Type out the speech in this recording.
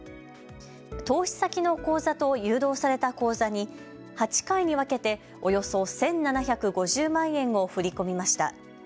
投資先の口座と誘導された口座に８回に分けておよそ１７５０万円を振り込みました。